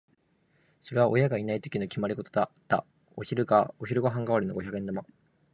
それは親がいないときの決まりごとだった。お昼ご飯代わりの五百円玉。